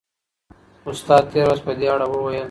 استاد تېره ورځ په دې اړه وویل.